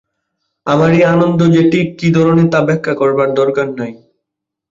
আমার এ আনন্দ যে ঠিক কী ধরনের তা ব্যাখ্যা করবার দরকার নেই।